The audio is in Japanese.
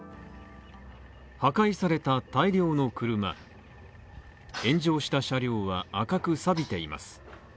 破壊された大量の車炎上した車両は、赤く錆びています。